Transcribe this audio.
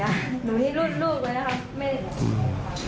หนูที่รูดเลยนะครับ